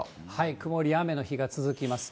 曇りや雨の日が続きます。